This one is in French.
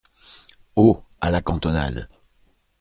Haut, à la cantonade.